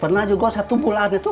pernah juga satu bulan itu